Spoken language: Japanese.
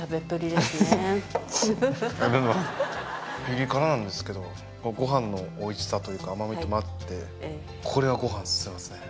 ピリ辛なんですけどごはんのおいしさというか甘みとも合ってこれはごはん進みますね